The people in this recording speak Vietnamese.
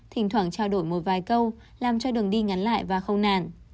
thỉnh thoảng trao đổi một vài câu làm cho đường đi ngắn lại và không nản